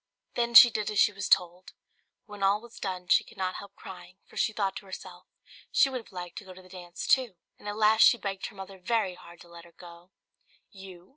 Then she did as she was told, but when all was done she could not help crying, for she thought to herself, she would have liked to go to the dance too; and at last she begged her mother very hard to let her go. "You!